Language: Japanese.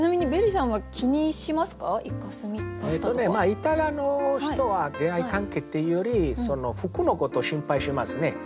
イタリアの人は恋愛関係っていうより服のことを心配しますね。